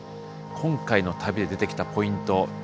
今回の旅で出てきたポイント。